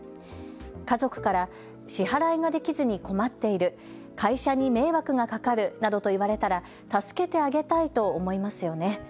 家族から、支払いができずに困っている、会社に迷惑がかかるなどと言われたら助けてあげたいと思いますよね。